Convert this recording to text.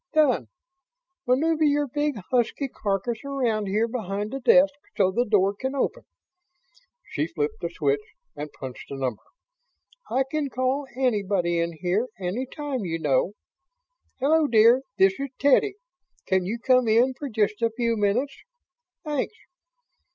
"Done. Maneuver your big, husky carcass around here behind the desk so the door can open." She flipped a switch and punched a number. "I can call anybody in here, any time, you know. Hello, dear, this is Teddy. Can you come in for just a few minutes? Thanks."